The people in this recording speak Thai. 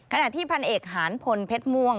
ขณะที่พันเอกหานพลเพชรม่วง